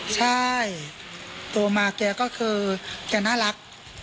ใช่โตมาแกก็คือแกน่ารัก